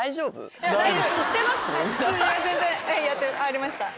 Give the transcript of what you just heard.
全然ありました。